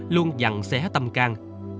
luôn dằn xé tâm can